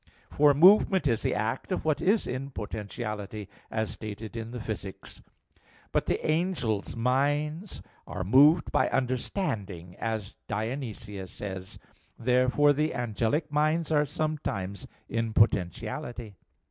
For movement is the act of what is in potentiality, as stated in Phys. iii, 6. But the angels' minds are moved by understanding, as Dionysius says (Div. Nom. iv). Therefore the angelic minds are sometimes in potentiality.